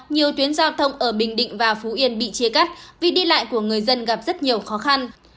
nhiều tuyến giao thông ở bình định và phú yên bị chia cắt vì đi lại của người dân gặp rất nhiều khó khăn